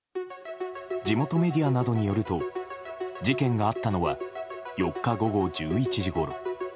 地元メディアなどによると事件があったのは４日午後１１時ごろ。